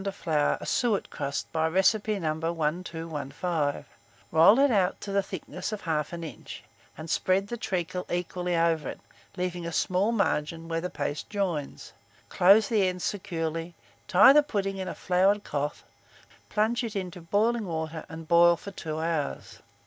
of flour, a suet crust by recipe No. 1215; roll it out to the thickness of 1/2 inch, and spread the treacle equally over it, leaving a small margin where the paste joins; close the ends securely, tie the pudding in a floured cloth, plunge it into boiling water, and boil for 2 hours.